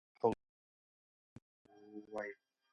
هغوی ته د تودوخې او یخنۍ د تاثیراتو وایئ.